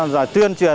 rồi tuyên truyền